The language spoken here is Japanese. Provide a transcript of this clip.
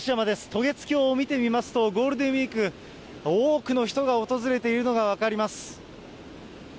渡月橋を見てみますと、ゴールデンウィーク、多くの人が訪れているのが分かります。